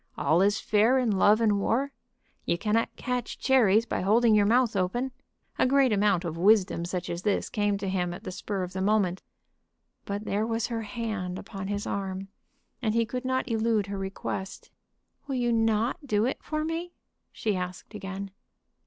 All is fair in love and war. You cannot catch cherries by holding your mouth open. A great amount of wisdom such as this came to him at the spur of the moment. But there was her hand upon his arm, and he could not elude her request. "Will you not do it for me?" she asked again.